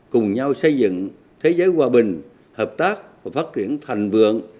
cùng nhau xây dựng thế giới hòa bình hợp tác và phát triển thành vượng